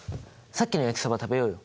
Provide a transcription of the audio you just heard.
さっきの焼きそば食べようよ。